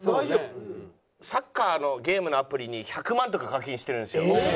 サッカーのゲームのアプリに１００万とか課金してるんですよ。